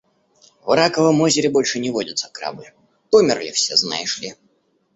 В раковом озере больше не водятся крабы. Померли все, знаешь ли.